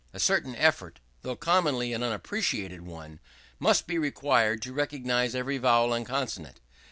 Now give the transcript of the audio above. A certain effort, though commonly an inappreciable one, must be required to recognize every vowel and consonant.